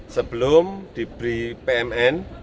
sebelum diberi pmn